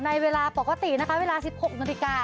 ในเวลาปกติเวลา๑๖๐๐๑๗๐๐ค่ะ